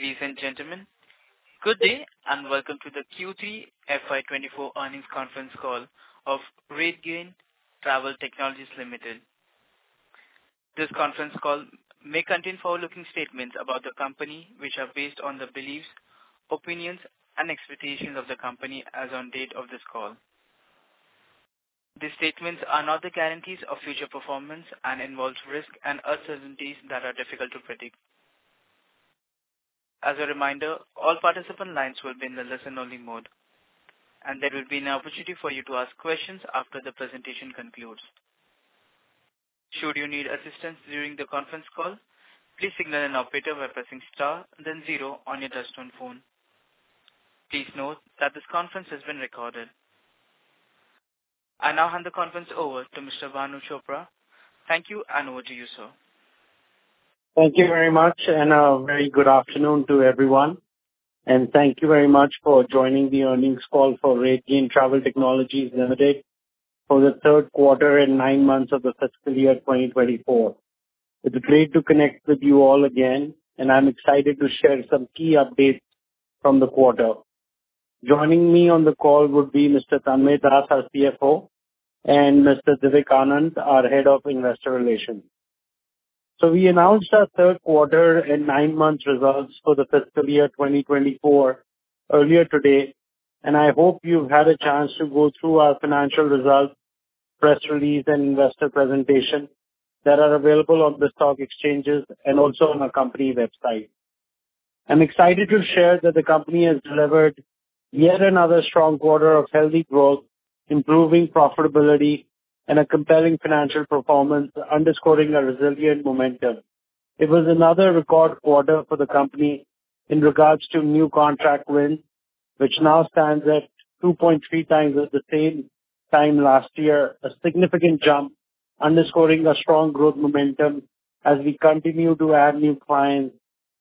Ladies and gentlemen, good day, and welcome to the Q3 FY 2024 earnings conference call of RateGain Travel Technologies Limited. This conference call may contain forward-looking statements about the company, which are based on the beliefs, opinions and expectations of the company as on date of this call. These statements are not the guarantees of future performance and involve risks and uncertainties that are difficult to predict. As a reminder, all participant lines will be in the listen-only mode, and there will be an opportunity for you to ask questions after the presentation concludes. Should you need assistance during the conference call, please signal an operator by pressing star then zero on your touch-tone phone. Please note that this conference is being recorded. I now hand the conference over to Mr. Bhanu Chopra. Thank you, and over to you, sir. Thank you very much, and a very good afternoon to everyone, and thank you very much for joining the earnings call for RateGain Travel Technologies Limited for the third quarter and nine months of the fiscal year 2024. It's great to connect with you all again, and I'm excited to share some key updates from the quarter. Joining me on the call would be Mr. Tanmaya Das, our CFO, and Mr. Vivek Anand, our Head of Investor Relations. We announced our third quarter and nine-month results for the fiscal year 2024 earlier today, and I hope you've had a chance to go through our financial results, press release, and investor presentation that are available on the stock exchanges and also on our company website. I'm excited to share that the company has delivered yet another strong quarter of healthy growth, improving profitability and a compelling financial performance, underscoring our resilient momentum. It was another record quarter for the company in regards to new contract wins, which now stands at 2.3 times at the same time last year, a significant jump underscoring our strong growth momentum as we continue to add new clients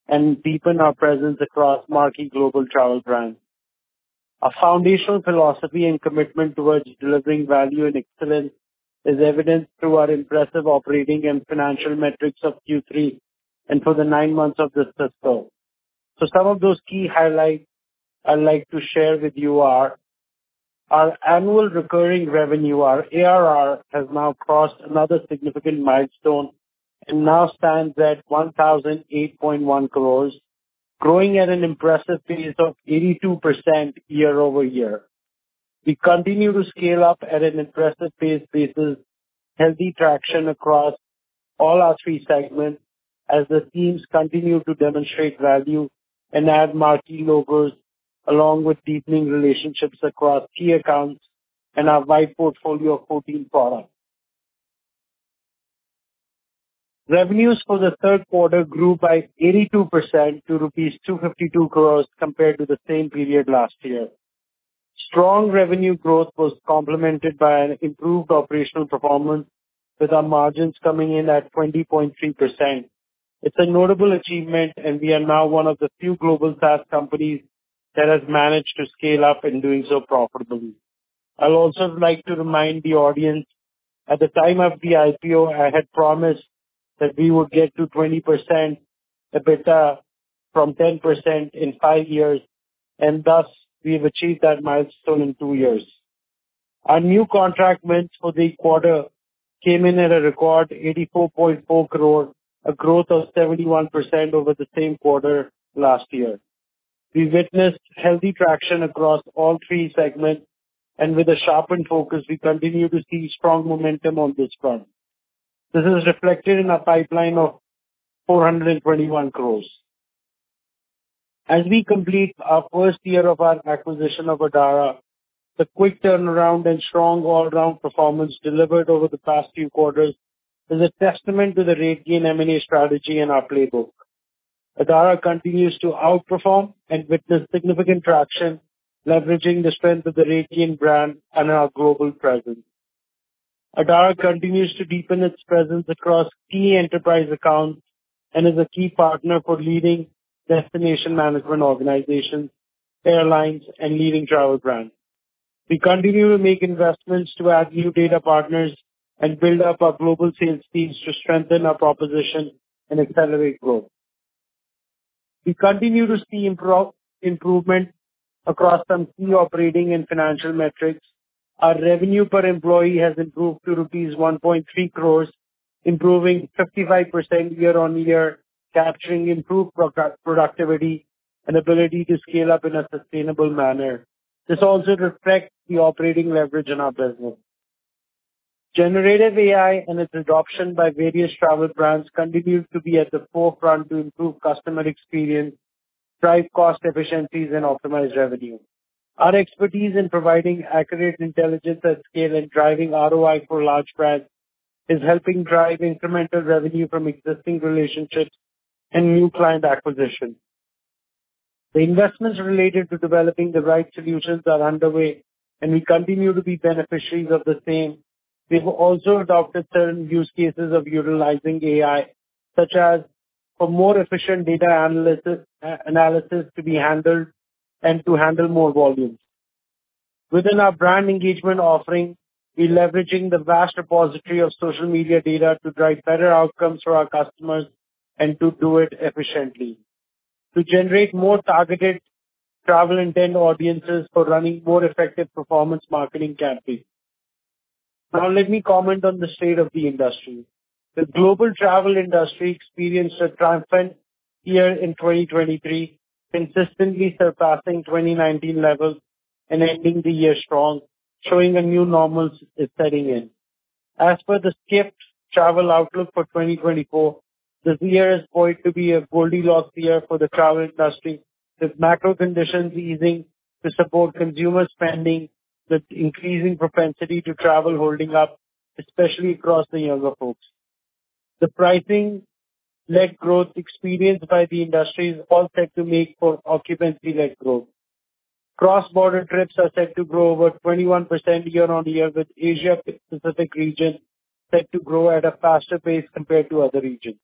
and deepen our presence across marquee global travel brands. Our foundational philosophy and commitment towards delivering value and excellence is evidenced through our impressive operating and financial metrics of Q3 and for the nine months of this fiscal. Some of those key highlights I'd like to share with you are: our annual recurring revenue, our ARR, has now crossed another significant milestone and now stands at 1,008.1 crores, growing at an impressive pace of 82% year-over-year. We continue to scale up at an impressive pace, basis healthy traction across all our three segments as the teams continue to demonstrate value and add marquee logos, along with deepening relationships across key accounts and our wide portfolio of 14 products. Revenues for the third quarter grew by 82% to rupees 252 crores compared to the same period last year. Strong revenue growth was complemented by an improved operational performance, with our margins coming in at 20.3%. It's a notable achievement, and we are now one of the few global SaaS companies that has managed to scale up and doing so profitably. I'd also like to remind the audience, at the time of the IPO, I had promised that we would get to 20% EBITDA from 10% in five years, and thus we have achieved that milestone in two years. Our new contract wins for the quarter came in at a record 84.4 crore, a growth of 71% over the same quarter last year. We witnessed healthy traction across all three segments, and with a sharpened focus, we continue to see strong momentum on this front. This is reflected in our pipeline of 421 crore. As we complete our first year of our acquisition of Adara, the quick turnaround and strong all-round performance delivered over the past few quarters is a testament to the RateGain M&A strategy in our playbook. Adara continues to outperform and witness significant traction, leveraging the strength of the RateGain brand and our global presence. Adara continues to deepen its presence across key enterprise accounts and is a key partner for leading destination management organizations, airlines, and leading travel brands. We continue to make investments to add new data partners and build up our global sales teams to strengthen our proposition and accelerate growth. We continue to see improvement across some key operating and financial metrics. Our revenue per employee has improved to rupees 1.3 crores, improving 55% year-on-year, capturing improved productivity and ability to scale up in a sustainable manner. This also reflects the operating leverage in our business. Generative AI and its adoption by various travel brands continues to be at the forefront to improve customer experience, drive cost efficiencies, and optimize revenue. Our expertise in providing accurate intelligence at scale and driving ROI for large brands is helping drive incremental revenue from existing relationships and new client acquisition. The investments related to developing the right solutions are underway, and we continue to be beneficiaries of the same. We have also adopted certain use cases of utilizing AI, such as for more efficient data analysis, analysis to be handled and to handle more volumes. Within our brand engagement offering, we're leveraging the vast repository of social media data to drive better outcomes for our customers and to do it efficiently, to generate more targeted travel intent audiences for running more effective performance marketing campaigns. Now, let me comment on the state of the industry. The global travel industry experienced a triumphant year in 2023, consistently surpassing 2019 levels and ending the year strong, showing a new normal is setting in. As for the Skift's travel outlook for 2024, this year is going to be a Goldilocks year for the travel industry, with macro conditions easing to support consumer spending, with increasing propensity to travel holding up, especially across the younger folks. The pricing-led growth experienced by the industry is all set to make for occupancy-led growth. Cross-border trips are set to grow over 21% year-on-year, with Asia Pacific region set to grow at a faster pace compared to other regions.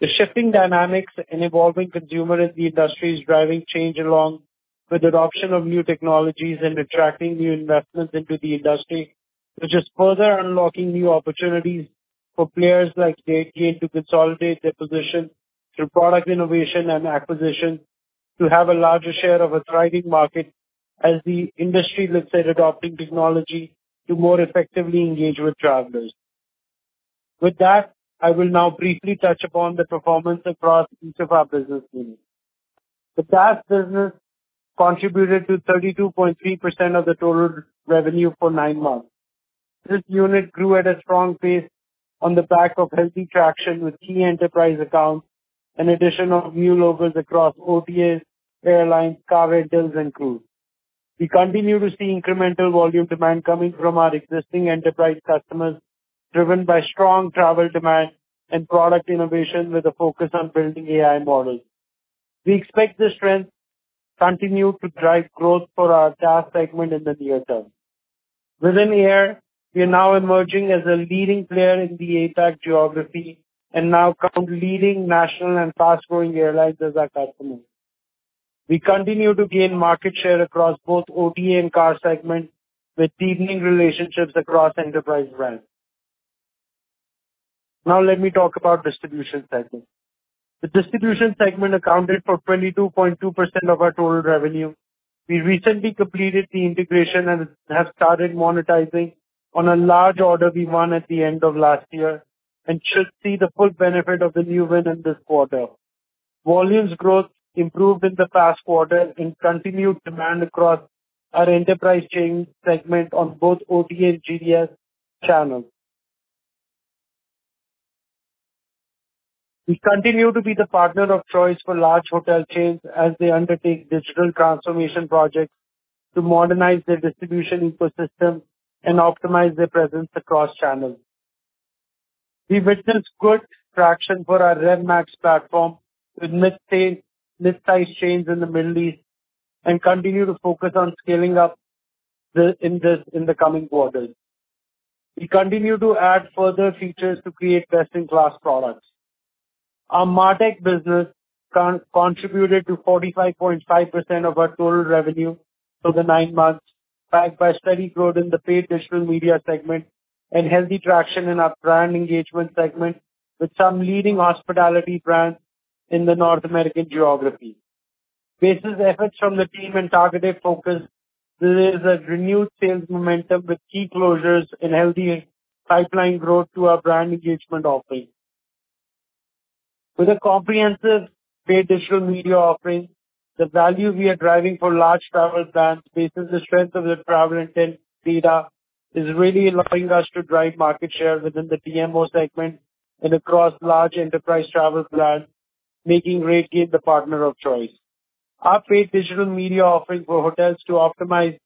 The shifting dynamics and evolving consumer is the industry's driving change, along with adoption of new technologies and attracting new investments into the industry, which is further unlocking new opportunities for players like RateGain to consolidate their position through product innovation and acquisition, to have a larger share of a thriving market as the industry looks at adopting technology to more effectively engage with travelers. With that, I will now briefly touch upon the performance across each of our business units. The SaaS business contributed to 32.3% of the total revenue for nine months. This unit grew at a strong pace on the back of healthy traction with key enterprise accounts, and addition of new logos across OTAs, airlines, car rentals, and cruise. We continue to see incremental volume demand coming from our existing enterprise customers, driven by strong travel demand and product innovation, with a focus on building AI models. We expect this trend continue to drive growth for our SaaS segment in the near term. Within Air, we are now emerging as a leading player in the APAC geography and now count leading national and fast-growing airlines as our customers. We continue to gain market share across both OTA and car segment, with deepening relationships across enterprise brands. Now let me talk about distribution segment. The distribution segment accounted for 22.2% of our total revenue. We recently completed the integration and have started monetizing on a large order we won at the end of last year and should see the full benefit of the new win in this quarter. Volumes growth improved in the past quarter in continued demand across our enterprise chain segment on both OTA and GDS channels. We continue to be the partner of choice for large hotel chains as they undertake digital transformation projects to modernize their distribution ecosystem and optimize their presence across channels. We witnessed good traction for our RevMax platform with mid-stay, mid-sized chains in the Middle East, and continue to focus on scaling up in the coming quarters. We continue to add further features to create best-in-class products. Our MarTech business contributed to 45.5% of our total revenue for the nine months, backed by steady growth in the paid digital media segment and healthy traction in our brand engagement segment, with some leading hospitality brands in the North American geography. on efforts from the team and targeted focus, there is a renewed sales momentum with key closures and healthy pipeline growth to our brand engagement offering. With a comprehensive paid digital media offering, the value we are driving for large travel brands, based on the strength of their travel intent data, is really allowing us to drive market share within the DMO segment and across large enterprise travel brands, making RateGain the partner of choice. Our paid digital media offering for hotels to optimize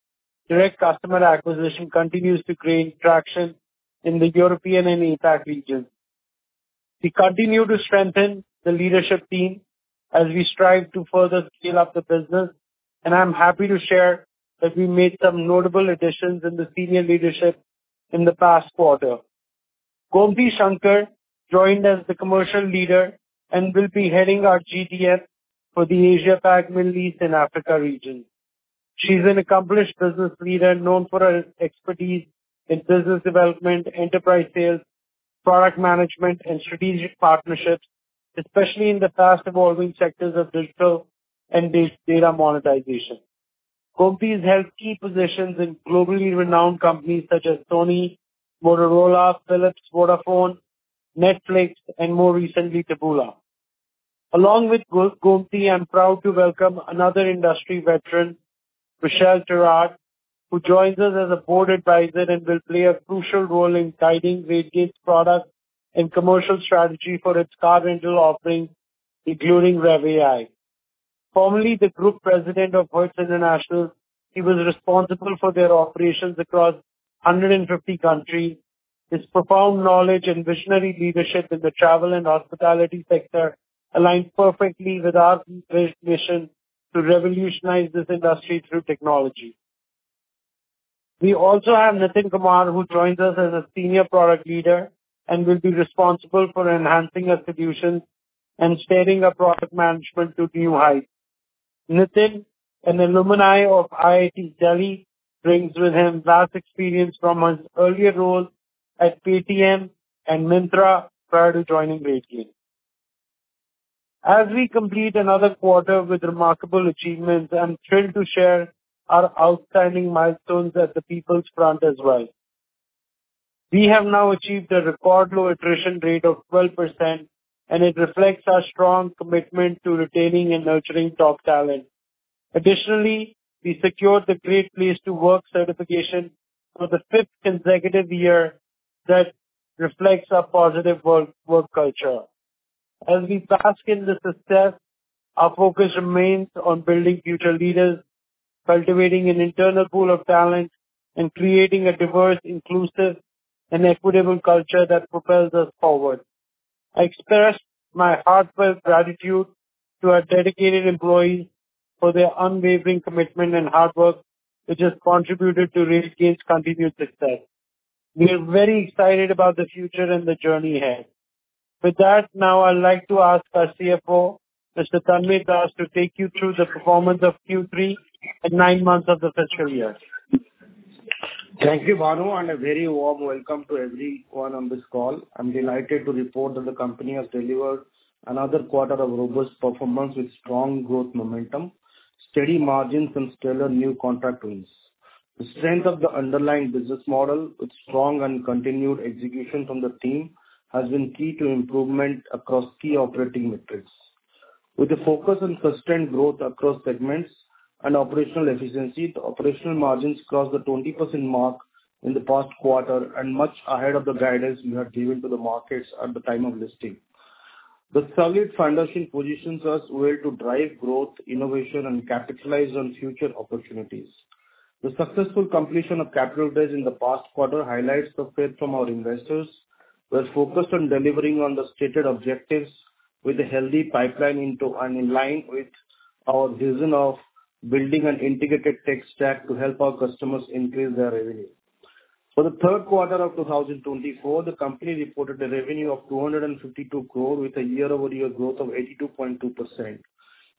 direct customer acquisition continues to gain traction in the European and APAC regions. We continue to strengthen the leadership team as we strive to further scale up the business, and I'm happy to share that we made some notable additions in the senior leadership in the past quarter. Gomti Shankar joined as the commercial leader and will be heading our GDS for the Asia Pac, Middle East, and Africa region. She's an accomplished business leader, known for her expertise in business development, enterprise sales, product management, and strategic partnerships, especially in the fast-evolving sectors of digital and big data monetization. Gomti has held key positions in globally renowned companies such as Sony, Motorola, Philips, Vodafone, Netflix, and more recently, Taboola. Along with Gomti, I'm proud to welcome another industry veteran, Michel Taride, who joins us as a board advisor and will play a crucial role in guiding RateGain's product and commercial strategy for its car rental offerings, including RevAI. Formerly the Group President of Hertz International, he was responsible for their operations across 150 countries. His profound knowledge and visionary leadership in the travel and hospitality sector aligns perfectly with our deep mission to revolutionize this industry through technology. We also have Nitin Kumar, who joins us as a Senior Product Leader and will be responsible for enhancing our solutions and steering our product management to new heights. Nitin, an alumnus of IIT Delhi, brings with him vast experience from his earlier roles at Paytm and Myntra prior to joining RateGain. As we complete another quarter with remarkable achievements, I'm thrilled to share our outstanding milestones at the people's front as well. We have now achieved a record low attrition rate of 12%, and it reflects our strong commitment to retaining and nurturing top talent. Additionally, we secured the Great Place to Work certification for the fifth consecutive year. That reflects our positive work culture. As we bask in this success, our focus remains on building future leaders, cultivating an internal pool of talent, and creating a diverse, inclusive, and equitable culture that propels us forward. I express my heartfelt gratitude to our dedicated employees for their unwavering commitment and hard work, which has contributed to RateGain's continued success. We are very excited about the future and the journey ahead. With that, now I'd like to ask our CFO, Mr. Tanmaya Das, to take you through the performance of Q3 and nine months of the fiscal year. Thank you, Bhanu, and a very warm welcome to everyone on this call. I'm delighted to report that the company has delivered another quarter of robust performance with strong growth momentum, steady margins, and stellar new contract wins. The strength of the underlying business model, with strong and continued execution from the team, has been key to improvement across key operating metrics. With a focus on sustained growth across segments and operational efficiency, the operational margins crossed the 20% mark in the past quarter and much ahead of the guidance we had given to the markets at the time of listing. The solid foundation positions us well to drive growth, innovation, and capitalize on future opportunities. The successful completion of capital raise in the past quarter highlights the faith from our investors, who are focused on delivering on the stated objectives with a healthy pipeline into and in line with our vision of building an integrated tech stack to help our customers increase their revenue. For the third quarter of 2024, the company reported a revenue of 252 crore, with a year-over-year growth of 82.2%.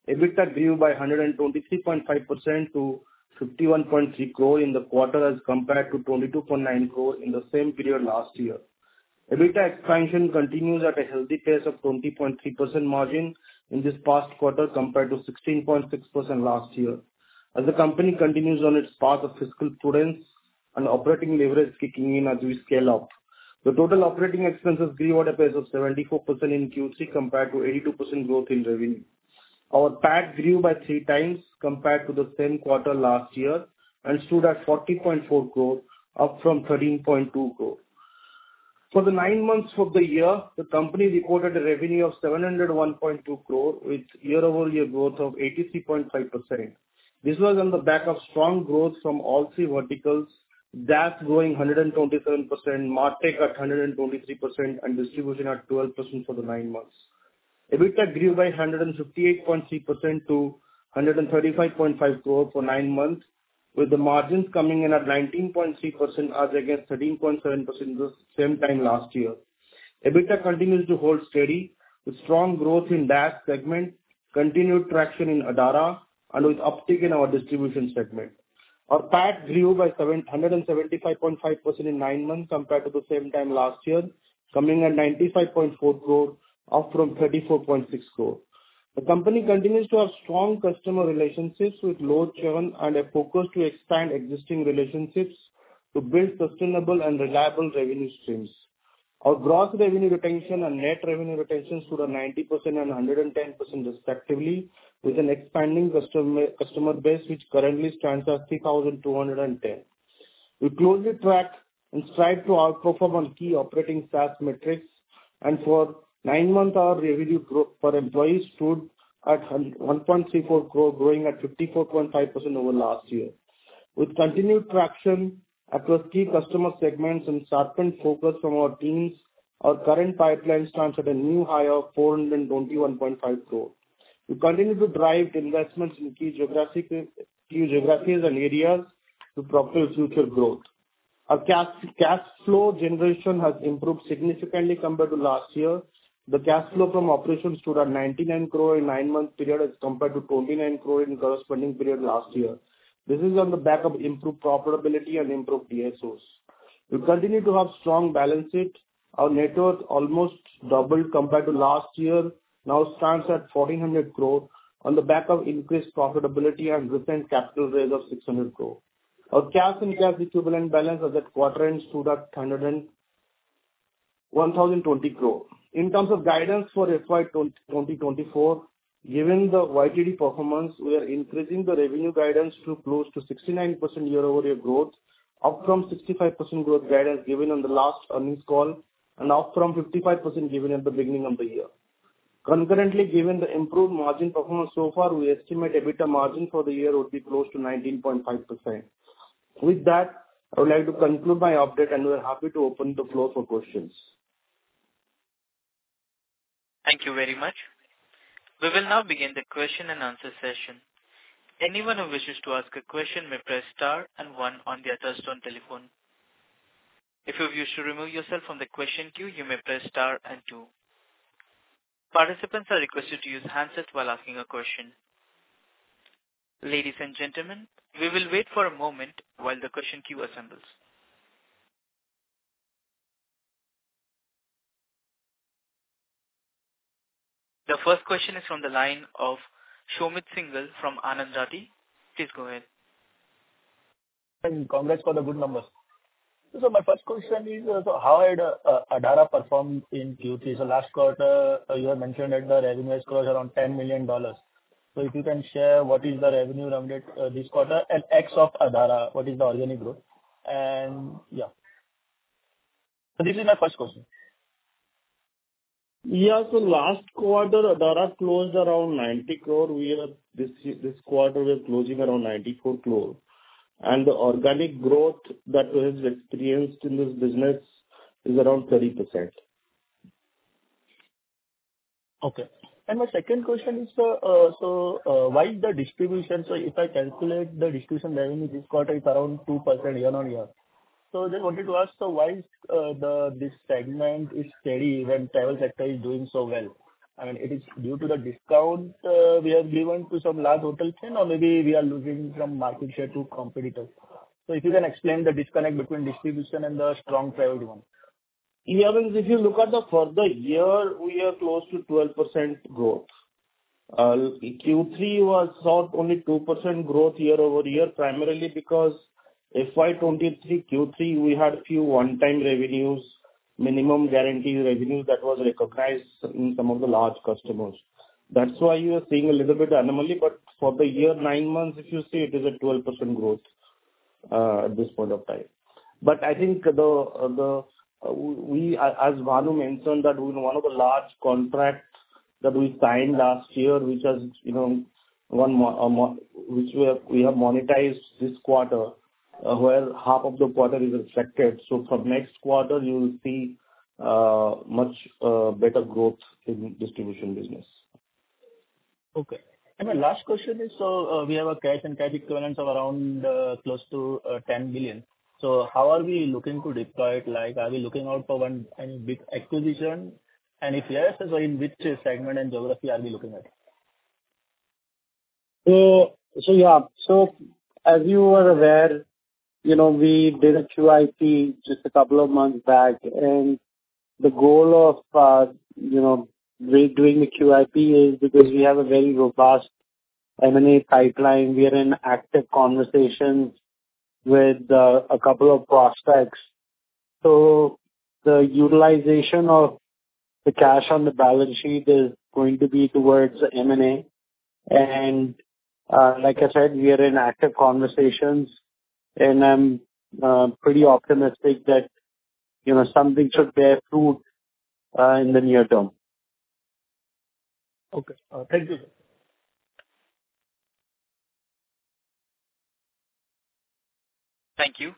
EBITDA grew by 123.5% to 51.3 crore in the quarter, as compared to 22.9 crore in the same period last year. EBITDA expansion continues at a healthy pace of 20.3% margin in this past quarter, compared to 16.6% last year, as the company continues on its path of fiscal prudence and operating leverage kicking in as we scale up. The total operating expenses grew at a pace of 74% in Q3, compared to 82% growth in revenue. Our PAT grew by three times compared to the same quarter last year and stood at 40.4 crore, up from 13.2 crore. For the nine months of the year, the company recorded a revenue of 701.2 crore, with year-over-year growth of 83.5%. This was on the back of strong growth from all three verticals: DaaS growing 127%, MarTech at 123%, and distribution at 12% for the nine months. EBITDA grew by 158.3% to 135.5 crore for nine months, with the margins coming in at 19.3% as against 13.7% the same time last year. EBITDA continues to hold steady, with strong growth in DaaS segment, continued traction in Adara, and with uptick in our distribution segment. Our PAT grew by 775.5% in nine months compared to the same time last year, coming at 95.4 crore, up from 34.6 crore. The company continues to have strong customer relationships with low churn and a focus to expand existing relationships to build sustainable and reliable revenue streams. Our gross revenue retention and net revenue retention stood at 90% and 110% respectively, with an expanding customer base, which currently stands at 3,210. We closely track and strive to outperform on key operating SaaS metrics, and for nine months, our revenue growth per employees stood at 1.34 crore, growing at 54.5% over last year. With continued traction across key customer segments and sharpened focus from our teams, our current pipeline stands at a new high of 421.5 crore. We continue to drive investments in key geographies and areas to propel future growth. Our cash, cash flow generation has improved significantly compared to last year. The cash flow from operations stood at 99 crore in nine months period, as compared to 29 crore in corresponding period last year. This is on the back of improved profitability and improved DSO. We continue to have strong balance sheet. Our net worth almost doubled compared to last year, now stands at 1,400 crore on the back of increased profitability and recent capital raise of 600 crore. Our cash and cash equivalent balance as at quarter end stood at 101,020 crore. In terms of guidance for FY 2024, given the YTD performance, we are increasing the revenue guidance to close to 69% year-over-year growth, up from 65% growth guidance given on the last earnings call and up from 55% given at the beginning of the year. Concurrently, given the improved margin performance so far, we estimate EBITDA margin for the year would be close to 19.5%. With that, I would like to conclude my update, and we are happy to open the floor for questions. ... Thank you very much. We will now begin the question and answer session. Anyone who wishes to ask a question may press star and one on their touchtone telephone. If you wish to remove yourself from the question queue, you may press star and two. Participants are requested to use handsets while asking a question. Ladies and gentlemen, we will wait for a moment while the question queue assembles. The first question is from the line of Shobhit Singhal from Anand Rathi. Please go ahead. Congrats for the good numbers. So my first question is, so how had Adara performed in Q3? So last quarter, you had mentioned that the revenue was around $10 million. So if you can share, what is the revenue rounded this quarter and ex of Adara, what is the organic growth? And, yeah. So this is my first question. Yeah. So last quarter, Adara closed around 90 crore. We are—this, this quarter, we are closing around 94 crore. And the organic growth that we have experienced in this business is around 30%. Okay. My second question is, so, why the distribution? So if I calculate the distribution revenue this quarter is around 2% year-on-year. So I just wanted to ask, so why is this segment steady when travel sector is doing so well? I mean, it is due to the discount we have given to some large hotel chain or maybe we are losing some market share to competitors. So if you can explain the disconnect between distribution and the strong travel demand. Yeah, I mean, if you look at the for the year, we are close to 12% growth. Q3 was not only 2% growth year-over-year, primarily because FY 2023, Q3, we had a few one-time revenues, minimum guaranteed revenues that was recognized in some of the large customers. That's why you are seeing a little bit anomaly, but for the year, nine months, if you see, it is a 12% growth, at this point of time. But I think the, the, we, as Bhanu mentioned, that one of the large contracts that we signed last year, which has, you know, one more, more, which we have, we have monetized this quarter, well, half of the quarter is affected. So from next quarter, you will see, much better growth in distribution business. Okay. My last question is, so we have a cash and cash equivalent of around close to 10 million. So how are we looking to deploy it? Like, are we looking out for one, any big acquisition? And if yes, so in which segment and geography are we looking at? So yeah. So as you are aware, you know, we did a QIP just a couple of months back, and the goal of, you know, re-doing the QIP is because we have a very robust M&A pipeline. We are in active conversations with a couple of prospects. So the utilization of the cash on the balance sheet is going to be towards M&A. And, like I said, we are in active conversations, and I'm pretty optimistic that, you know, something should bear fruit in the near term. Okay. Thank you. Thank you.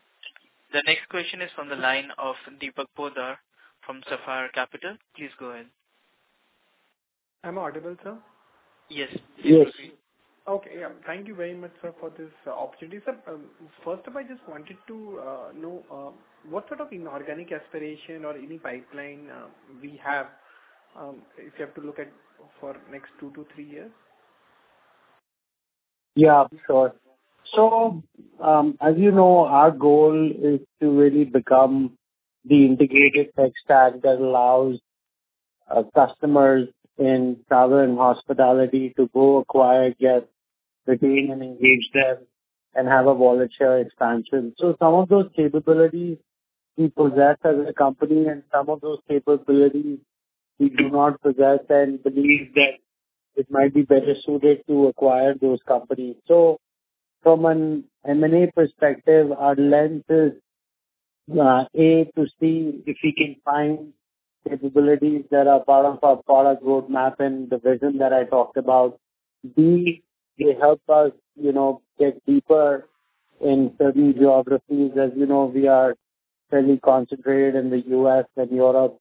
The next question is from the line of Deepak Poddar from Sapphire Capital. Please go ahead. Am I audible, sir? Yes. Yes. Okay, yeah. Thank you very much, sir, for this opportunity, sir. First up, I just wanted to know what sort of inorganic aspiration or any pipeline we have if you have to look at for next two-three years? Yeah, sure. So, as you know, our goal is to really become the integrated tech stack that allows customers in travel and hospitality to go acquire, get, retain, and engage them, and have a wallet share expansion. So some of those capabilities we possess as a company and some of those capabilities we do not possess and believe that it might be better suited to acquire those companies. So from an M&A perspective, our lens is A, to see if we can find capabilities that are part of our product roadmap and the vision that I talked about. B, they help us, you know, get deeper in certain geographies. As you know, we are fairly concentrated in the U.S. and Europe.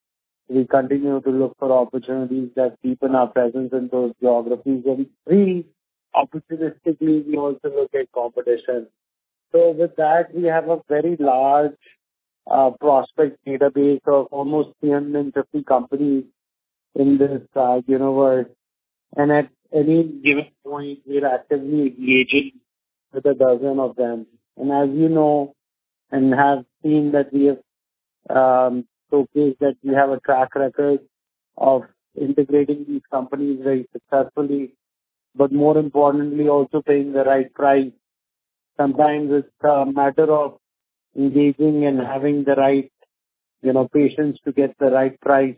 We continue to look for opportunities that deepen our presence in those geographies. And three, opportunistically, we also look at competition. So with that, we have a very large prospect database of almost 350 companies in this large universe. At any given point, we're actively engaging with a dozen of them. As you know, and have seen that we have showcased that we have a track record of integrating these companies very successfully, but more importantly, also paying the right price. Sometimes it's a matter of engaging and having the right, you know, patience to get the right price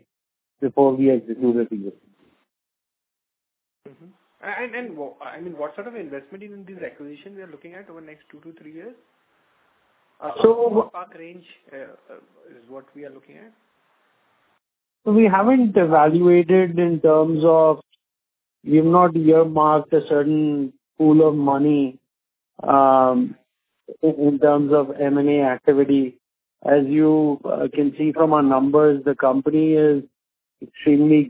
before we execute the deal. Mm-hmm. And, I mean, what sort of investment in this acquisition we are looking at over the next two-three years? So- What ARR is what we are looking at? We've not earmarked a certain pool of money in terms of M&A activity. As you can see from our numbers, the company is extremely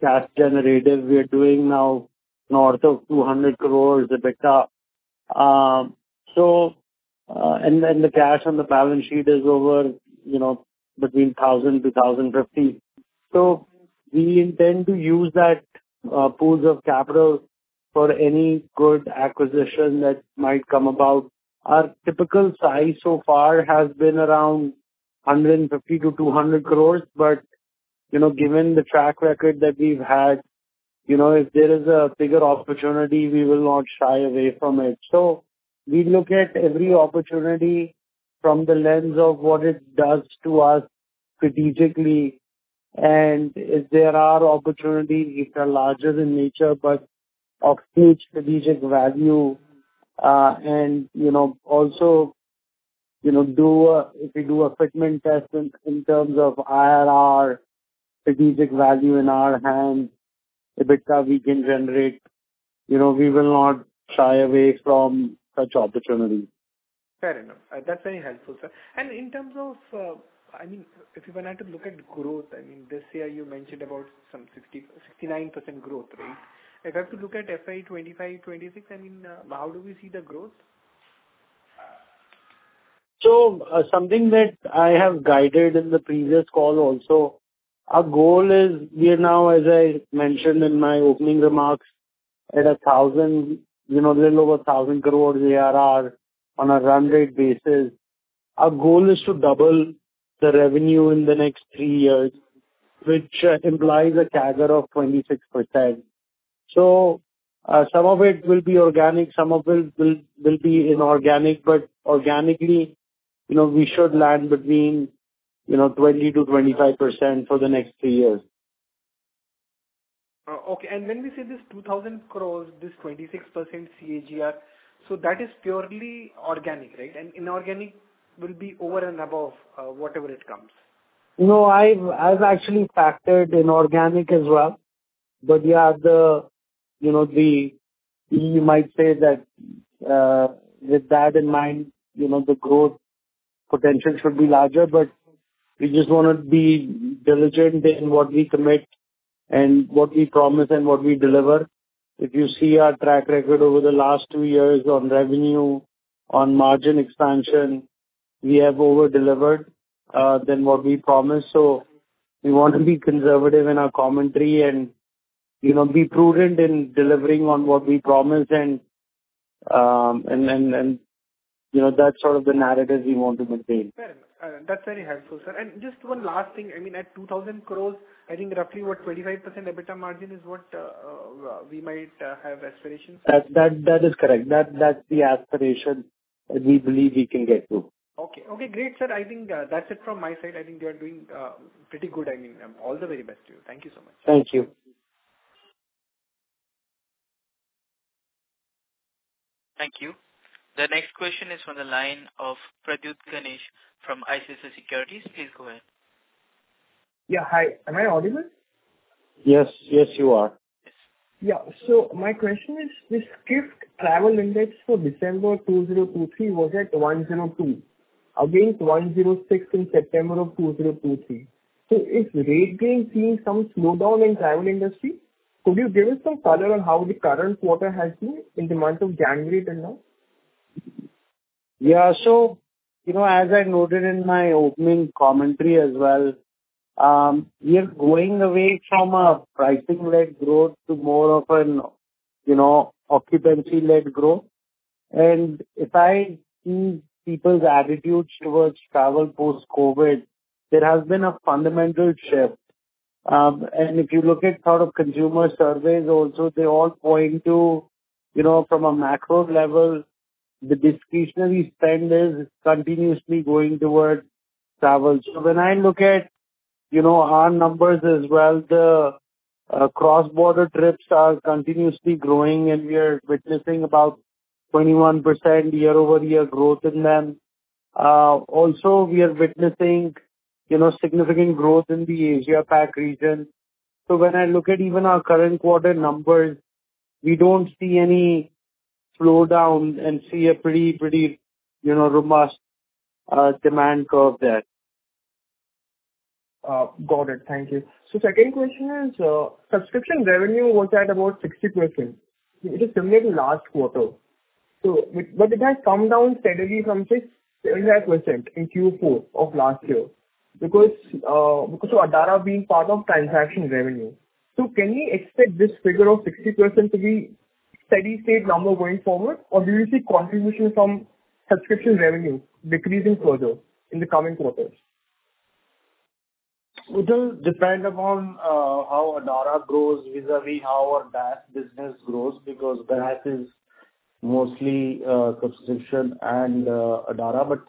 cash generative. We are doing now north of 200 crores EBITDA. And then the cash on the balance sheet is over, you know, between 1,000-1,050 crores. So we intend to use that pools of capital for any good acquisition that might come about. Our typical size so far has been around 150-200 crores, but, you know, given the track record that we've had, you know, if there is a bigger opportunity, we will not shy away from it. So we look at every opportunity from the lens of what it does to us strategically, and if there are opportunities, if they're larger in nature, but of huge strategic value, and, you know, also, you know, if we do a fitment test in terms of IRR, strategic value in our hand, EBITDA we can generate, you know, we will not shy away from such opportunity. Fair enough. That's very helpful, sir. In terms of, I mean, if you wanted to look at growth, I mean, this year you mentioned about some 60-69% growth, right? If I have to look at FY 2025, 2026, I mean, how do we see the growth? So, something that I have guided in the previous call also, our goal is we are now, as I mentioned in my opening remarks, at a little over 1,000 crore ARR on a run rate basis. Our goal is to double the revenue in the next three years, which implies a CAGR of 26%. So, some of it will be organic, some of it will be inorganic, but organically, you know, we should land between 20%-25% for the next three years. Okay. And when we say this 2,000 crore, this 26% CAGR, so that is purely organic, right? And inorganic will be over and above, whatever it comes. No, I've actually factored inorganic as well, but yeah, you know, you might say that with that in mind, you know, the growth potential should be larger. But we just wanna be diligent in what we commit and what we promise and what we deliver. If you see our track record over the last two years on revenue, on margin expansion, we have over-delivered than what we promised. So we want to be conservative in our commentary and, you know, be prudent in delivering on what we promised and, you know, that's sort of the narrative we want to maintain. Fair enough. That's very helpful, sir. And just one last thing, I mean, at 2,000 crore, I think roughly about 25% EBITDA margin is what we might have aspirations. That is correct. That's the aspiration that we believe we can get to. Okay. Okay, great, sir. I think that's it from my side. I think you are doing pretty good. I mean, all the very best to you. Thank you so much. Thank you. Thank you. The next question is from the line of Pradyut Ganesh from ICICI Securities. Please go ahead. Yeah, hi. Am I audible? Yes. Yes, you are. Yeah. So my question is, this Skift travel index for December 2023 was at 102, against 106 in September of 2023. So is RateGain seeing some slowdown in travel industry? Could you give us some color on how the current quarter has been in the month of January till now? Yeah. So, you know, as I noted in my opening commentary as well, we are going away from a pricing-led growth to more of an, you know, occupancy-led growth. And if I see people's attitude towards travel post-COVID, there has been a fundamental shift. And if you look at sort of consumer surveys also, they all point to, you know, from a macro level, the discretionary spend is continuously going towards travel. So when I look at, you know, our numbers as well, the cross-border trips are continuously growing, and we are witnessing about 21% year-over-year growth in them. Also we are witnessing, you know, significant growth in the Asia PAC region. So when I look at even our current quarter numbers, we don't see any slowdown and see a pretty, pretty, you know, robust demand curve there. Got it. Thank you. So second question is, subscription revenue was at about 60%. It is similar to last quarter, so... But it has come down steadily from 65% in Q4 of last year because, because of Adara being part of transaction revenue. So can we expect this figure of 60% to be steady state number going forward, or do you see contribution from subscription revenue decreasing further in the coming quarters? It will depend upon how Adara grows vis-a-vis how our SaaS business grows, because SaaS is mostly subscription and Adara. But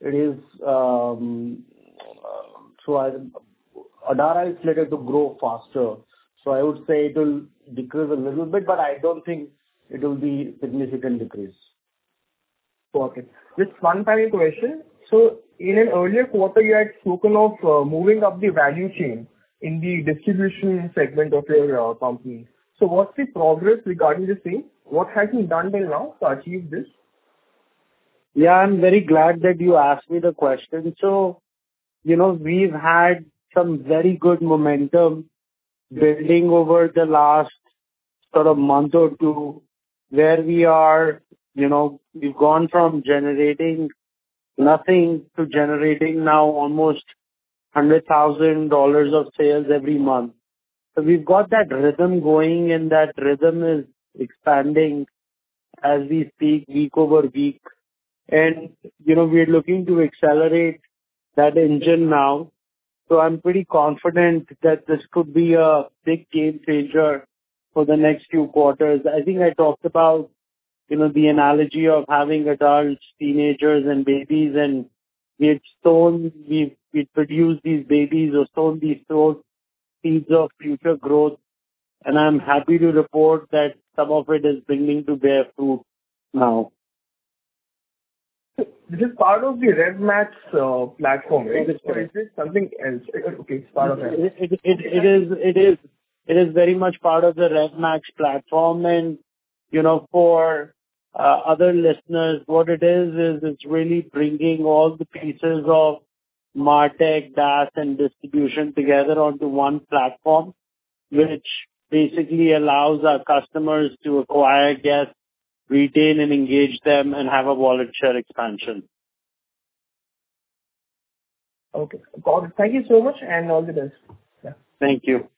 it is Adara is slated to grow faster, so I would say it will decrease a little bit, but I don't think it will be significant decrease.... Perfect. Just one final question. In an earlier quarter, you had spoken of moving up the value chain in the distribution segment of your company. What's the progress regarding the same? What have you done till now to achieve this? Yeah, I'm very glad that you asked me the question. So, you know, we've had some very good momentum building over the last sort of month or two, where we are, you know, we've gone from generating nothing to generating now almost $100,000 of sales every month. So we've got that rhythm going, and that rhythm is expanding as we speak, week over week. And, you know, we are looking to accelerate that engine now. So I'm pretty confident that this could be a big game changer for the next few quarters. I think I talked about, you know, the analogy of having adults, teenagers, and babies, and we've produced these babies or sown these seeds of future growth, and I'm happy to report that some of it is beginning to bear fruit now. This is part of the RevMax platform, right? Yes. Or is this something else? Okay, it's part of it. It is very much part of the RevMax platform. You know, for other listeners, what it is, is it's really bringing all the pieces of MarTech, DaaS, and distribution together onto one platform, which basically allows our customers to acquire guests, retain and engage them, and have a wallet share expansion. Okay, got it. Thank you so much, and all the best. Yeah. Thank you.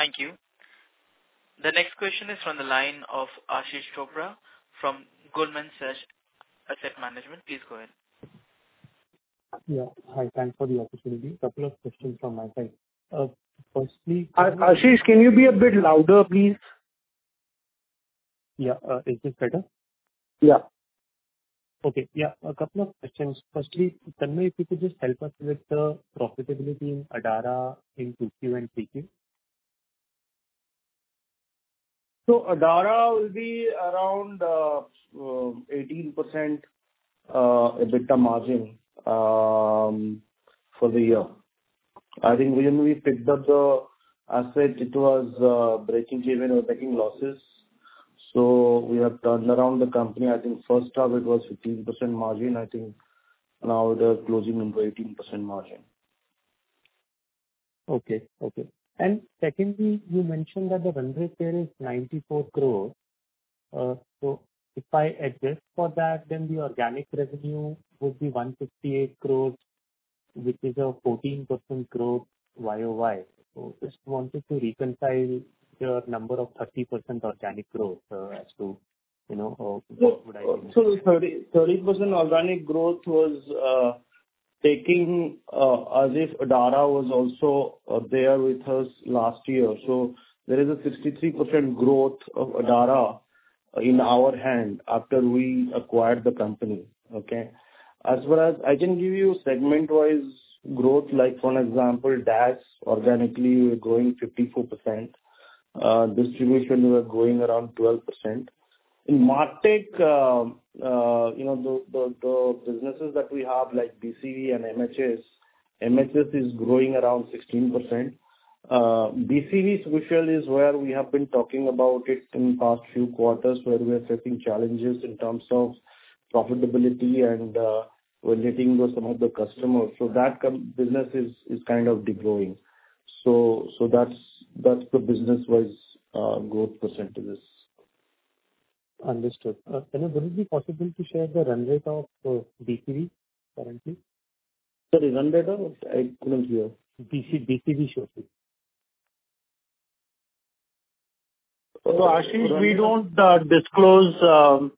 Thank you. The next question is from the line of Ashish Chopra from Goldman Sachs Asset Management. Please go ahead. Yeah. Hi, thanks for the opportunity. Couple of questions from my side. Firstly- Ashish, can you be a bit louder, please? Yeah. Is this better? Yeah. Okay. Yeah, a couple of questions. First, Tanmaya, if you could just help us with the profitability in Adara in Q2 and Q3. So Adara will be around 18% EBITDA margin for the year. I think when we picked up the asset, it was breaking even or making losses. So we have turned around the company. I think first half it was 15% margin. I think now they're closing on 18% margin. Okay. Okay. And secondly, you mentioned that the run rate there is 94 crore. So if I adjust for that, then the organic revenue would be 158 crores, which is a 14% growth YOY. So just wanted to reconcile your number of 30% organic growth, as to, you know, what would I- So 30% organic growth was taking as if Adara was also there with us last year. So there is a 63% growth of Adara in our hand after we acquired the company. Okay? As well as I can give you segment-wise growth, like, for example, DaaS, organically, we're growing 54%. Distribution, we're growing around 12%. In MarTech, you know, the businesses that we have, like BCV and MHS, MHS is growing around 16%. BCV, which really is where we have been talking about it in the past few quarters, where we are facing challenges in terms of profitability and retaining some of the customers. So that com- business is kind of degrowing. So that's the business-wise growth percentages. Understood. Tanmaya, would it be possible to share the run rate of BCV currently? Sorry, run rate of? I couldn't hear. BC, BCV, sorry. So, Ashish, we don't disclose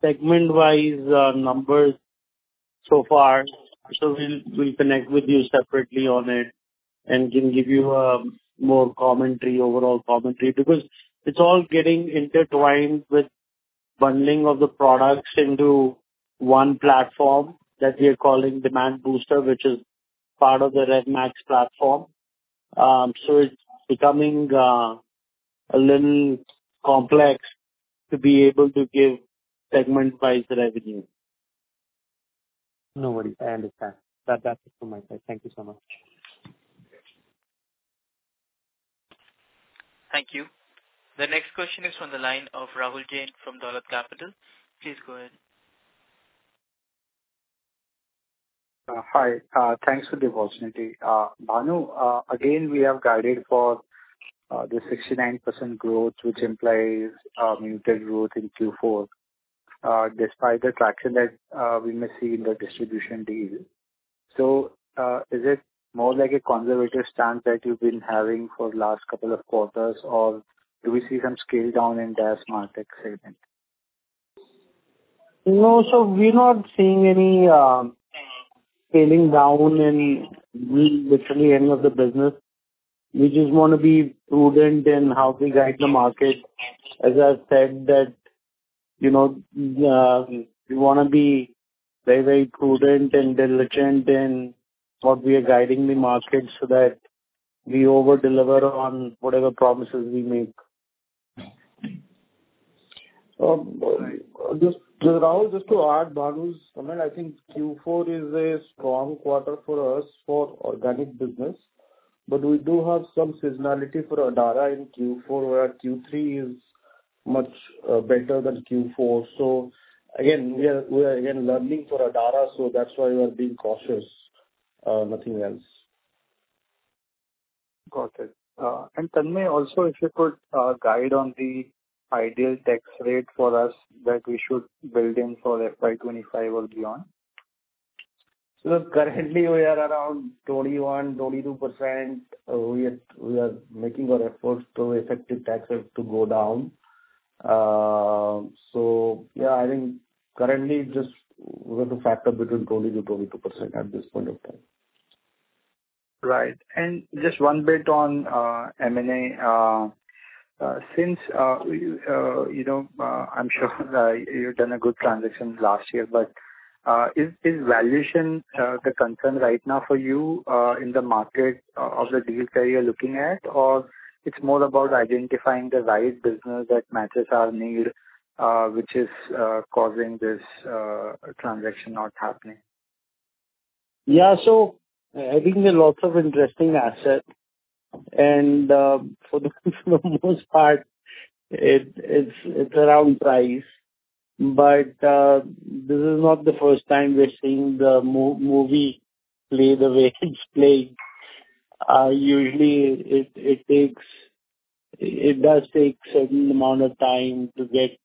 segment-wise numbers so far. So we'll connect with you separately on it and can give you more commentary, overall commentary, because it's all getting intertwined with bundling of the products into one platform that we are calling Demand Booster, which is part of the RevMax platform. So it's becoming a little complex to be able to give segment-wise revenue. No worries. I understand. That, that's it from my side. Thank you so much. Thank you. The next question is from the line of Rahul Jain from Dolat Capital. Please go ahead. Hi. Thanks for the opportunity. Bhanu, again, we have guided for the 69% growth, which implies a muted growth in Q4, despite the traction that we may see in the distribution deal. So, is it more like a conservative stance that you've been having for the last couple of quarters, or do we see some scale down in DaaS MarTech segment? No. So we're not seeing any scaling down in literally any of the business. We just want to be prudent in how we guide the market. As I said, you know, we wanna be very, very prudent and diligent in what we are guiding the market so that we over-deliver on whatever promises we make. Just, Rahul, just to add Bhanu's comment, I think Q4 is a strong quarter for us for organic business. But we do have some seasonality for Adara in Q4, where Q3 is much better than Q4. So again, we are, we are again learning for Adara, so that's why we are being cautious, nothing else. Got it. And Tanmaya, also, if you could, guide on the ideal tax rate for us that we should build in for FY 2025 or beyond. Currently we are around 21-22%. We are making our efforts to effective taxes to go down. So yeah, I think currently just we're going to factor between 20-22% at this point of time. Right. And just one bit on M&A. Since we, you know, I'm sure you've done a good transaction last year, but is valuation the concern right now for you in the market of the deals that you're looking at? Or it's more about identifying the right business that matches our need, which is causing this transaction not happening? Yeah. So I think there are lots of interesting assets, and for the most part, it's around price. But this is not the first time we're seeing the movie play the way it's playing. Usually, it takes a certain amount of time to get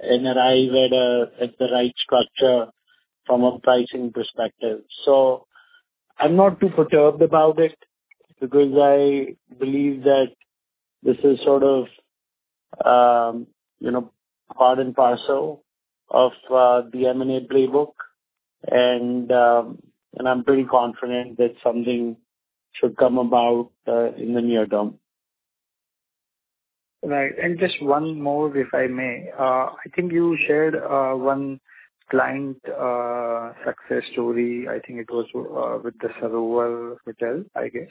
and arrive at the right structure from a pricing perspective. So I'm not too perturbed about it, because I believe that this is sort of, you know, part and parcel of the M&A playbook. And I'm pretty confident that something should come about in the near term. Right. And just one more, if I may. I think you shared one client success story. I think it was with Sarovar Hotels, I guess.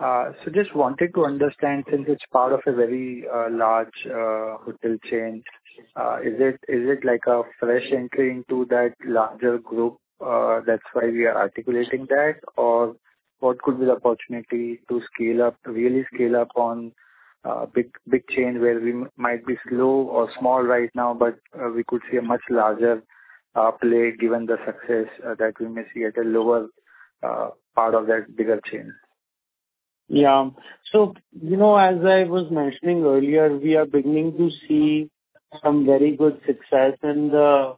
So just wanted to understand, since it's part of a very large hotel chain, is it like a fresh entry into that larger group, that's why we are articulating that? Or what could be the opportunity to scale up, really scale up on big big chain, where we might be slow or small right now, but we could see a much larger play, given the success that we may see at a lower part of that bigger chain? Yeah. So, you know, as I was mentioning earlier, we are beginning to see some very good success in the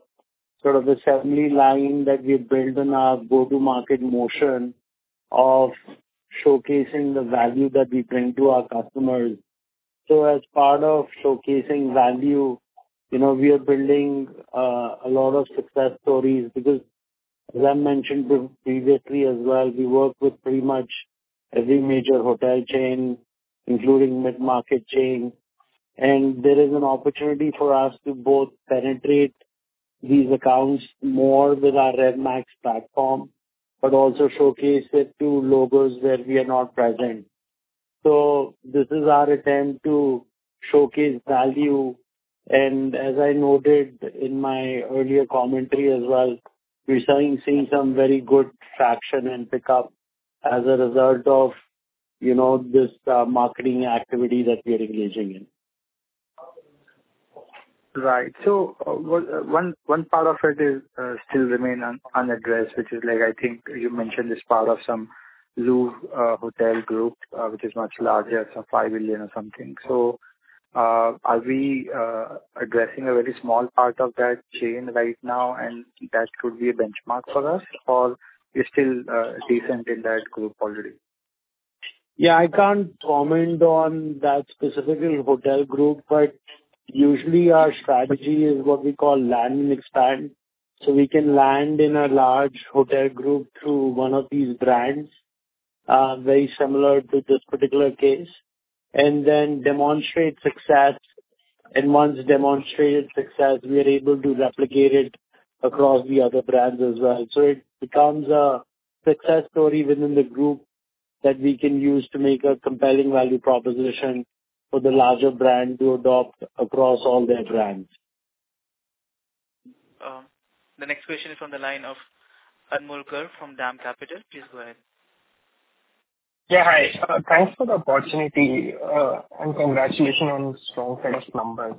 sort of the assembly line that we've built in our go-to-market motion of showcasing the value that we bring to our customers. So as part of showcasing value, you know, we are building a lot of success stories because, as I mentioned previously as well, we work with pretty much every major hotel chain, including mid-market chain. And there is an opportunity for us to both penetrate these accounts more with our RevMax platform, but also showcase it to logos where we are not present. So this is our attempt to showcase value, and as I noted in my earlier commentary as well, we're starting seeing some very good traction and pickup as a result of, you know, this marketing activity that we are engaging in. Right. So one part of it is still remain unaddressed, which is like, I think you mentioned it's part of some Louvre Hotels Group, which is much larger, some five million or something. So are we addressing a very small part of that chain right now, and that should be a benchmark for us, or you're still decent in that group already? Yeah, I can't comment on that specific hotel group, but usually our strategy is what we call land and expand. So we can land in a large hotel group through one of these brands, very similar to this particular case, and then demonstrate success. And once demonstrated success, we are able to replicate it across the other brands as well. So it becomes a success story within the group that we can use to make a compelling value proposition for the larger brand to adopt across all their brands. The next question is from the line of Anmol Garg from Dam Capital. Please go ahead. Yeah, hi. Thanks for the opportunity, and congratulations on strong set of numbers.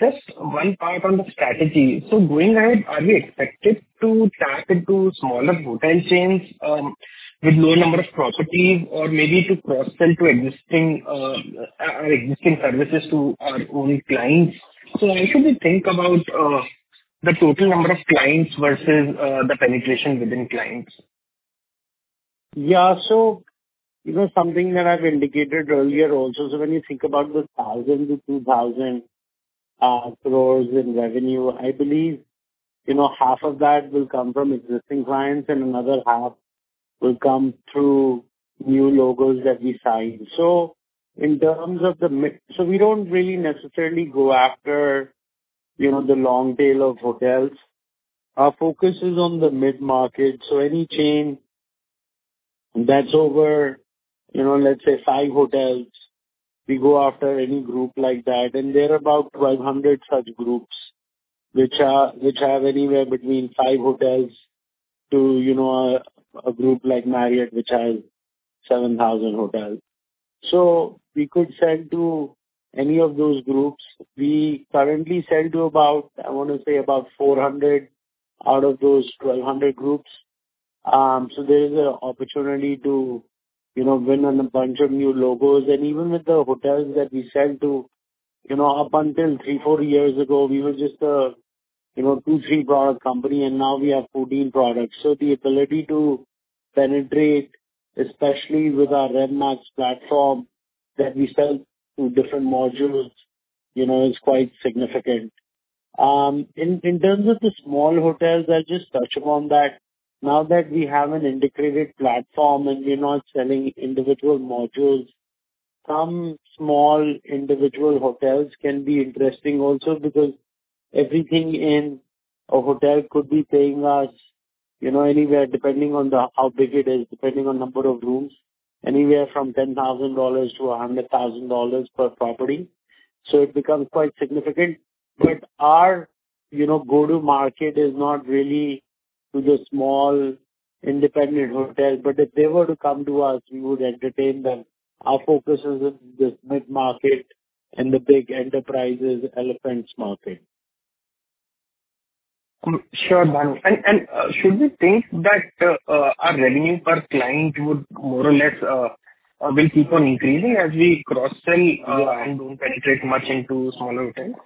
Just one part on the strategy. So going ahead, are we expected to tap into smaller hotel chains with lower number of properties or maybe to cross-sell to existing our existing services to our own clients? So how should we think about the total number of clients versus the penetration within clients? Yeah. So you know, something that I've indicated earlier also, so when you think about the 1,000 to 2,000 crores in revenue, I believe, you know, half of that will come from existing clients and another half will come through new logos that we sign. So in terms of the mid-market, so we don't really necessarily go after, you know, the long tail of hotels. Our focus is on the mid-market, so any chain that's over, you know, let's say five hotels, we go after any group like that, and there are about 1,200 such groups which are, which have anywhere between five hotels to, you know, a group like Marriott, which has 7,000 hotels. So we could sell to any of those groups. We currently sell to about, I want to say, about 400 out of those 1,200 groups. So there's an opportunity to, you know, win on a bunch of new logos. And even with the hotels that we sell to, you know, up until three-four years ago, we were just a, you know, two-three product company, and now we have 14 products. So the ability to penetrate, especially with our RevMax platform, that we sell through different modules, you know, is quite significant. In terms of the small hotels, I'll just touch upon that. Now that we have an integrated platform and we're not selling individual modules, some small individual hotels can be interesting also, because everything in a hotel could be paying us, you know, anywhere, depending on how big it is, depending on number of rooms, anywhere from $10,000 to $100,000 per property, so it becomes quite significant. But our, you know, go-to-market is not really to the small independent hotels, but if they were to come to us, we would entertain them. Our focus is in this mid-market and the big enterprises, elephants market. Sure, Manu. And should we think that our revenue per client would more or less will keep on increasing as we cross-sell? Yeah. And don't penetrate much into smaller hotels?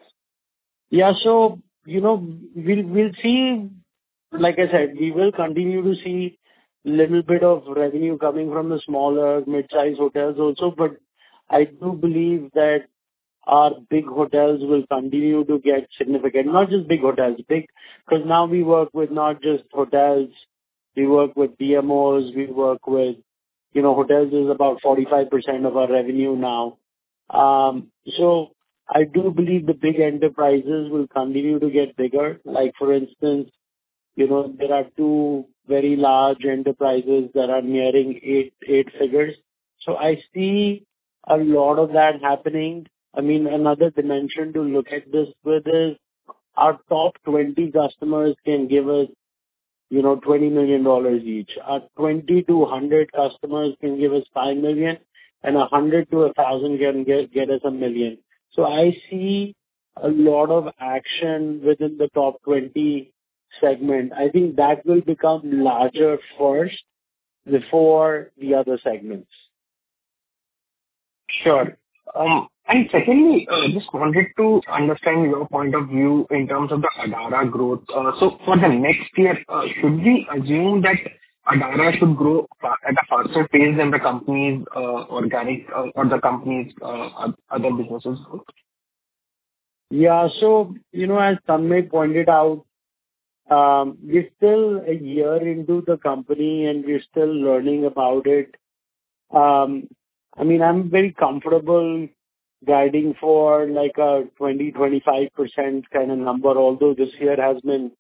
Yeah. So, you know, we'll, we'll see. Like I said, we will continue to see little bit of revenue coming from the smaller mid-sized hotels also, but I do believe that our big hotels will continue to get significant. Not just big hotels, big, because now we work with not just hotels, we work with DMOs, we work with, you know, hotels is about 45% of our revenue now. So I do believe the big enterprises will continue to get bigger. Like, for instance, you know, there are two very large enterprises that are nearing eight-figure. So I see a lot of that happening. I mean, another dimension to look at this with is, our top 20 customers can give us, you know, $20 million each. Our 20-100 customers can give us $5 million, and 100-1,000 can get us $1 million. So I see a lot of action within the top 20 segment. I think that will become larger first before the other segments. Sure. And secondly, just wanted to understand your point of view in terms of the Adara growth. So for the next year, should we assume that Adara should grow at a faster pace than the company's organic, or the company's other businesses? Yeah. So, you know, as Tanmaya pointed out, we're still a year into the company, and we're still learning about it. I mean, I'm very comfortable guiding for, like, a 20-25% kind of number, although this year has been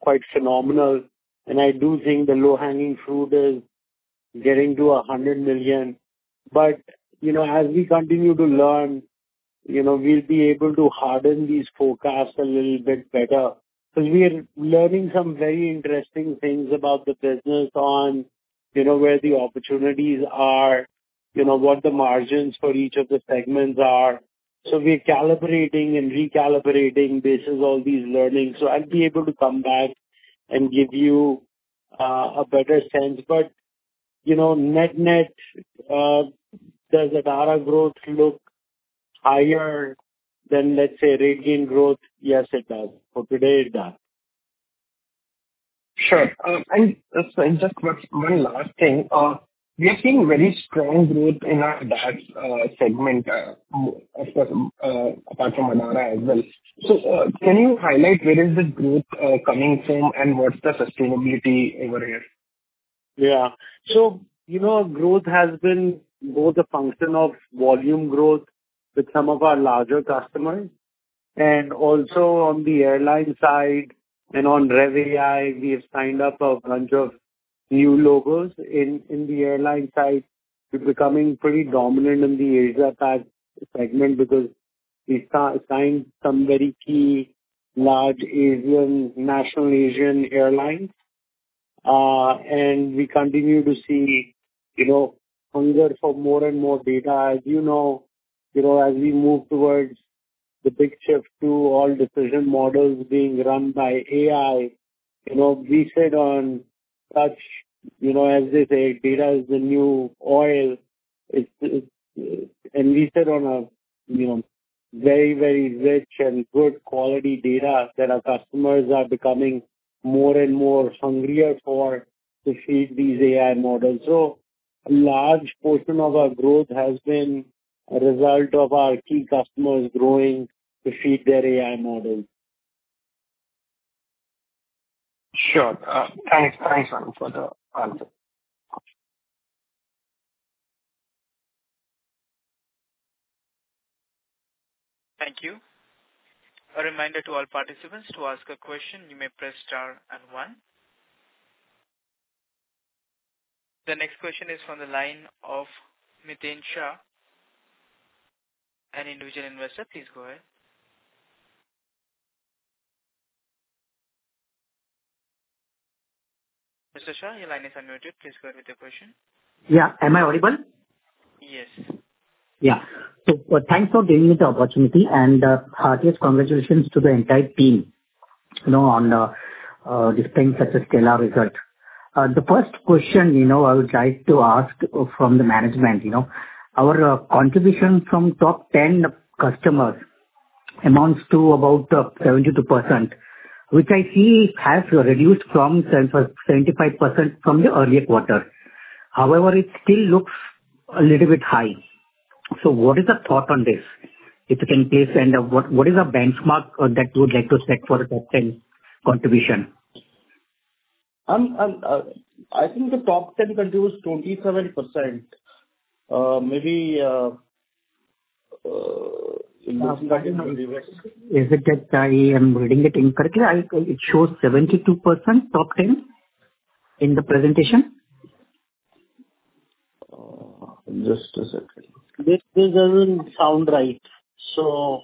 quite phenomenal, and I do think the low-hanging fruit is getting to 100 million. But, you know, as we continue to learn, you know, we'll be able to harden these forecasts a little bit better, because we are learning some very interesting things about the business on, you know, where the opportunities are, you know, what the margins for each of the segments are. So we're calibrating and recalibrating basis all these learnings. So I'll be able to come back and give you, a better sense. But, you know, net-net, does Adara growth look higher than, let's say, RateGain growth? Yes, it does. For today, it does. Sure. And just one last thing. We are seeing very strong growth in our DaaS segment, apart from Adara as well. So, can you highlight where is the growth coming from, and what's the sustainability over here? Yeah. So, you know, growth has been both a function of volume growth with some of our larger customers and also on the airline side and on RevAI, we have signed up a bunch of new logos in the airline side. We're becoming pretty dominant in the Asia Pac segment because we signed some very key large Asian, national Asian airlines. And we continue to see, you know, hunger for more and more data. As you know, you know, as we move towards the big shift to all decision models being run by AI, you know, we sit on such, you know, as they say, data is the new oil. It's, and we sit on a, you know, very, very rich and good quality data that our customers are becoming more and more hungrier for to feed these AI models. So a large portion of our growth has been a result of our key customers growing to feed their AI models. Sure. Thanks, thanks, sir, for the answer. Thank you. A reminder to all participants, to ask a question, you may press star and one. The next question is from the line of Miten Shah, an individual investor. Please go ahead. Mr. Shah, your line is unmuted. Please go ahead with your question. Yeah. Am I audible? Yes. Yeah. So thanks for giving me the opportunity and, heartiest congratulations to the entire team, you know, on, this thing, such a stellar result. The first question, you know, I would like to ask from the management, you know, our contribution from top 10 customers amounts to about 72%, which I see has reduced from 75% from the earlier quarter. However, it still looks a little bit high. So what is the thought on this? If you can please, and, what, what is the benchmark, that you would like to set for the top 10 contribution? I think the top ten contributes 27%. Is it that I am reading it incorrectly? It shows 72%, top 10, in the presentation. Just a second. This doesn't sound right. So...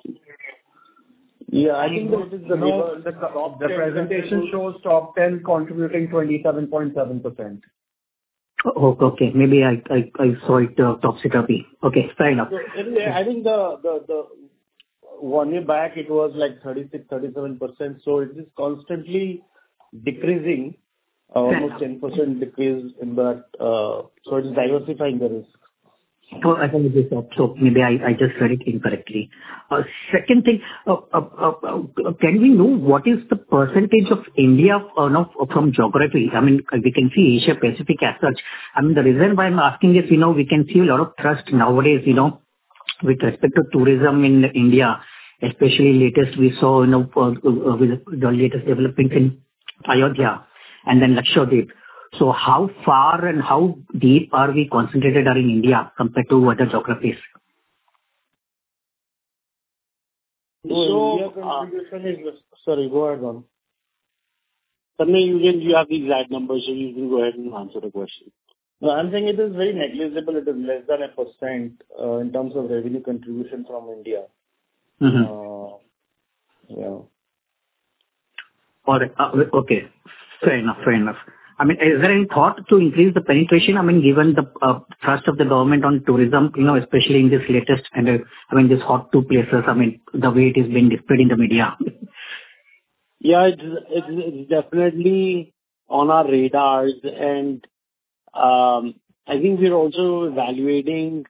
Yeah, I think that is the number- The presentation shows top 10 contributing 27.7%. Oh, okay. Maybe I saw it topsy-turvy. Okay, fair enough. Anyway, I think one year back it was like 36%-37%, so it is constantly decreasing, almost 10% decrease in that. So it is diversifying the risk. So I think it is up, so maybe I, I just read it incorrectly. Second thing, can we know what is the percentage of India, not from geography? I mean, we can see Asia Pacific as such. I mean, the reason why I'm asking this, you know, we can see a lot of thrust nowadays, you know, with respect to tourism in India, especially latest we saw, you know, with the latest development in Ayodhya and then Lakshadweep. So how far and how deep are we concentrated are in India compared to other geographies? So, uh- Sorry, go ahead, Ram. Tanmaya, you have the exact numbers, so you can go ahead and answer the question. No, I'm saying it is very negligible. It is less than 1%, in terms of revenue contribution from India. Mm-hmm. Uh, yeah. All right. Okay, fair enough. Fair enough. I mean, is there any thought to increase the penetration? I mean, given the thrust of the government on tourism, you know, especially in this latest and, I mean, these hot two places, I mean, the way it is being depicted in the media. Yeah, it's definitely on our radars and I think we're also evaluating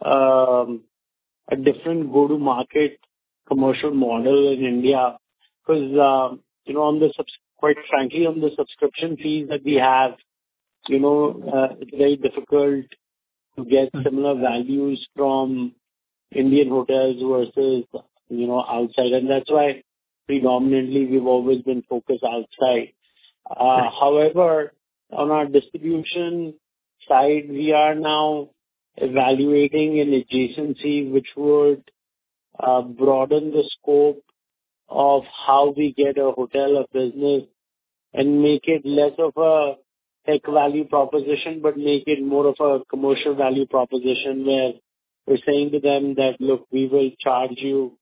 a different go-to-market commercial model in India. 'Cause you know, on the subscription fees that we have, you know, it's very difficult to get similar values from Indian hotels versus, you know, outside. And that's why predominantly we've always been focused outside. Right. However, on our distribution side, we are now evaluating an adjacency, which would broaden the scope of how we get a hotel, a business, and make it less of a tech value proposition, but make it more of a commercial value proposition, where we're saying to them that, "Look, we will charge you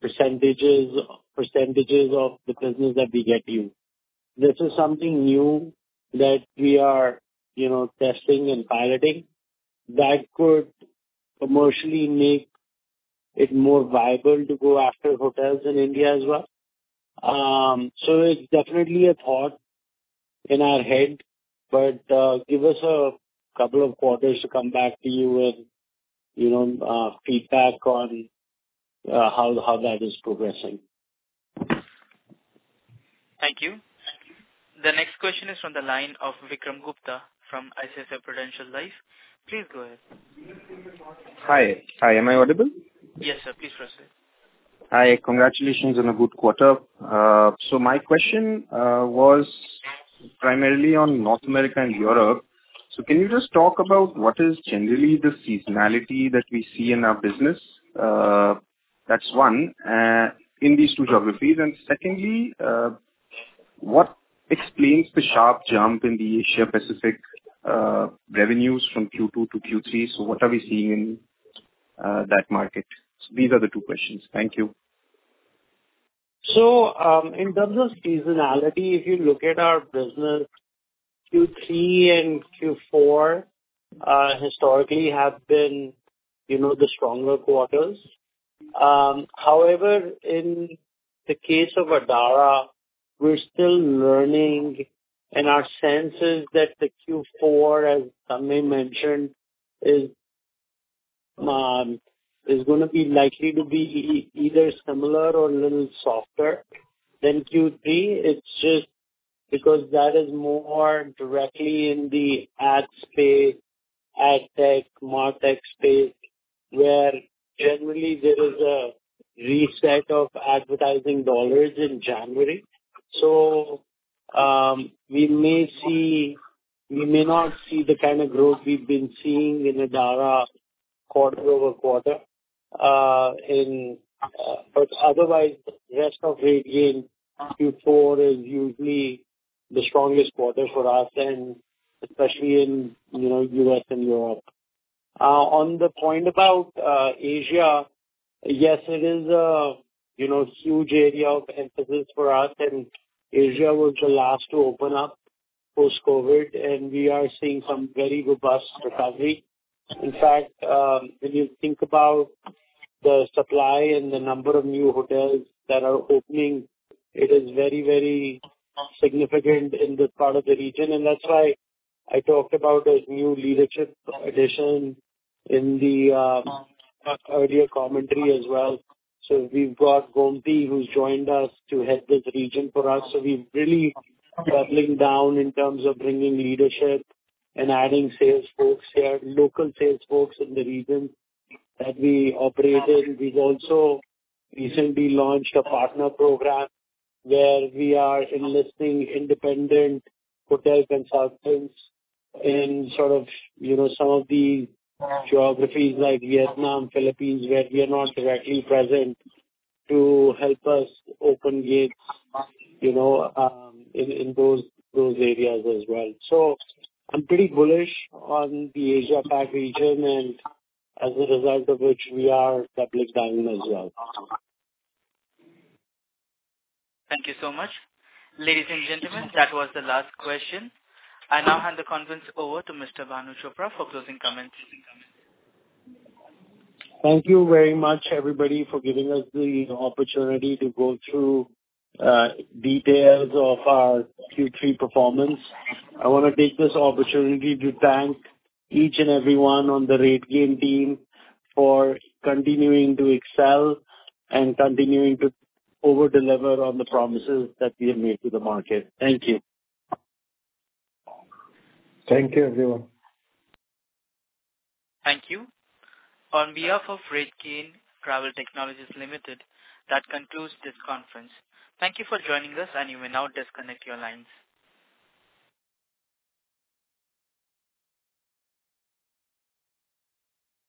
percentages, percentages of the business that we get you." This is something new that we are, you know, testing and piloting, that could commercially make it more viable to go after hotels in India as well. So it's definitely a thought in our head, but give us a couple of quarters to come back to you with, you know, feedback on how that is progressing. Thank you. The next question is from the line of Vikram Gupta from ICICI Prudential Life. Please go ahead. Hi. Hi, am I audible? Yes, sir. Please proceed. Hi, congratulations on a good quarter. My question was primarily on North America and Europe. Can you just talk about what is generally the seasonality that we see in our business? That's one, in these two geographies. And secondly, what explains the sharp jump in the Asia Pacific revenues from Q2 to Q3? What are we seeing in that market? These are the two questions. Thank you. So, in terms of seasonality, if you look at our business, Q3 and Q4 historically have been, you know, the stronger quarters. However, in the case of Adara, we're still learning, and our sense is that the Q4, as Tanmaya mentioned, is gonna be likely to be either similar or a little softer than Q3. It's just because that is more directly in the ad space, ad tech, MarTech space, where generally there is a reset of advertising dollars in January. So, we may not see the kind of growth we've been seeing in Adara quarter-over-quarter, but otherwise, the rest of RateGain, Q4 is usually the strongest quarter for us, and especially in, you know, U.S. and Europe. On the point about Asia, yes, it is a, you know, huge area of emphasis for us, and Asia was the last to open up post-COVID, and we are seeing some very robust recovery. In fact, when you think about the supply and the number of new hotels that are opening, it is very, very significant in this part of the region. And that's why I talked about this new leadership addition in the earlier commentary as well. So we've got Gomti, who's joined us to head this region for us. So we're really doubling down in terms of bringing leadership and adding sales folks there, local sales folks in the region that we operate in. We've also recently launched a partner program where we are enlisting independent hotel consultants in sort of, you know, some of the geographies like Vietnam, Philippines, where we are not directly present, to help us open gates, you know, in those areas as well. So I'm pretty bullish on the Asia Pac region and as a result of which we are doubling down as well. Thank you so much. Ladies and gentlemen, that was the last question. I now hand the conference over to Mr. Bhanu Chopra for closing comments. Thank you very much, everybody, for giving us the opportunity to go through details of our Q3 performance. I want to take this opportunity to thank each and everyone on the RateGain team for continuing to excel and continuing to over-deliver on the promises that we have made to the market. Thank you. Thank you, everyone. Thank you. On behalf of RateGain Travel Technologies Limited, that concludes this conference. Thank you for joining us, and you may now disconnect your lines.